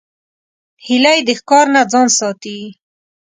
هیلۍ د ښکار نه ځان ساتي